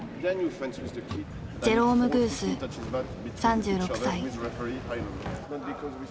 ジェローム・グース３６歳。